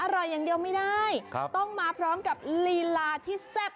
อร่อยอย่างเดียวไม่ได้ต้องมาพร้อมกับลีลาที่แซ่บ